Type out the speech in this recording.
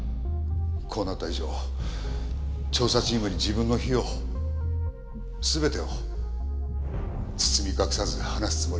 こうなった以上調査チームに自分の非を全てを包み隠さず話すつもりだ。